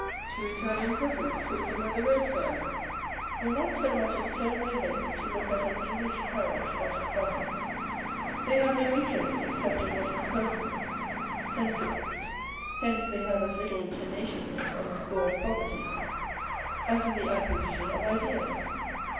Two Italian peasants talking by the roadside will not so much as turn their heads to look at an English carriage that is passing. They have no interest except in wrhat is personal, sensual. Hence they have as little tenaeious ness on the score of property as in the acquisition of ideas.